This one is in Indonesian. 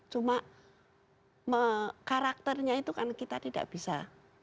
cuma karakternya itu kan kita tidak bisa